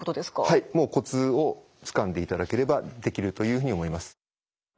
はいもうコツをつかんでいただければできるというふうに思います。